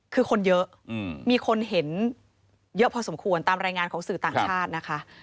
คือคนเยอะมีคนเห็นเยอะพอสมควรตามรายงานของสื่อต่างชาตินะคะ